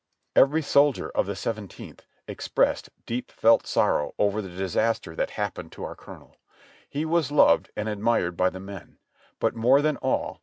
Every soldier of the Seventeenth expressed deep felt sorrow over the disaster that happened to our colonel. He was loved and ad mired by the men; but more than all.